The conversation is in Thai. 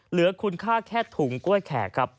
เหลือคุณค่าแค่ถุงกล้วยแขกครับ